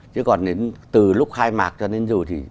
chứ còn đến từ lúc khai mạc cho nên dù thì